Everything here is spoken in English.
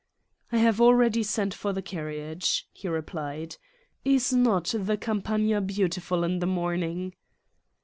"I have already sent for the carriage," he re plied. "Is not the Campagna beautiful in the morning?"